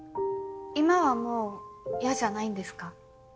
今はもうやじゃないんですか？